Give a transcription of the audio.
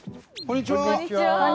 こんにちは。